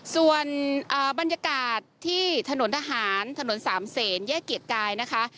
ส่วนบรรยากาศที่ถนนทหารถนนสามเศษแยกเกียรติกายนะคะ